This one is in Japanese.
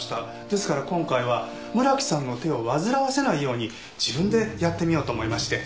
ですから今回は村木さんの手を煩わせないように自分でやってみようと思いまして。